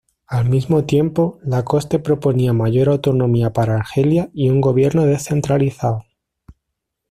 Al mismo tiempo, Lacoste proponía mayor autonomía para Argelia y un gobierno descentralizado.